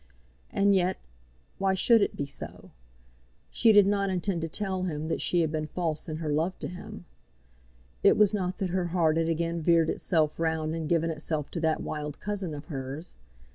And yet, why should it be so? She did not intend to tell him that she had been false in her love to him. It was not that her heart had again veered itself round and given itself to that wild cousin of hers.